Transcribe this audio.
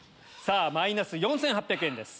マイナス４８００円です。